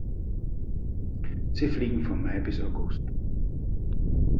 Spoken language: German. Sie fliegen von Mai bis August.